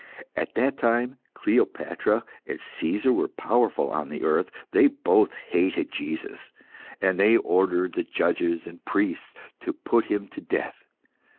At that time, Cleopatra and Caesar were powerful on the earth. They both hated Jesus, and they ordered the judges and priests to put Him to death.